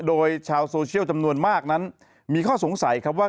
โดยชาวโซเชียลจำนวนมากนั้นมีข้อสงสัยครับว่า